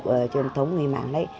của truyền thống người mảng đấy